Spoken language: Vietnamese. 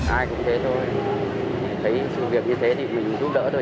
ai cũng thế thôi cái việc như thế mình giúp đỡ thôi